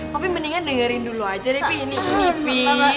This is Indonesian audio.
tapi mendingan dengerin dulu aja deh pih ini ini pih